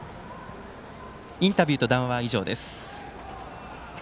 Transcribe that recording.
インタビューと談話は以上です。